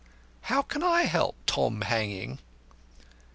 "How can I help Tom hanging?"